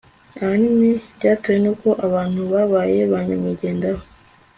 ahanini byatewe n uko abantu babaye ba nyamwigendaho